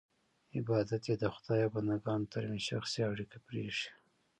عبادت یې د خدای او بندګانو ترمنځ شخصي اړیکه پرېښی.